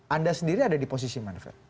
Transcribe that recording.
anda sendiri ada di posisi mana fred